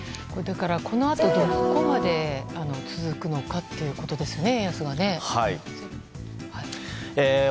このあと、どこまで続くのかということですよね。